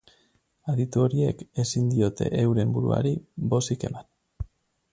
Aditu horiek ezin diote euren buruari bozik eman.